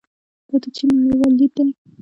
دا د چین نړیوال لید دی.